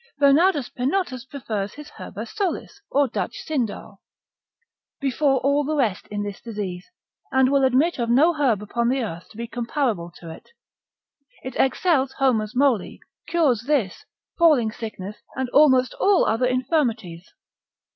Bernardus Penottus prefers his herba solis, or Dutch sindaw, before all the rest in this disease, and will admit of no herb upon the earth to be comparable to it. It excels Homer's moly, cures this, falling sickness, and almost all other infirmities.